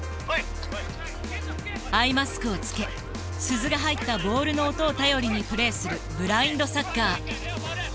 アイマスクをつけ鈴が入ったボールの音を頼りにプレーするブラインドサッカー。